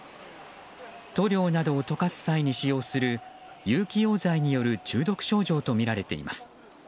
塗料などを溶かす際に使用する有機溶剤による中毒症状とみられています。